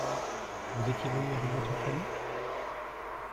Vous étiez venu avec votre famille ?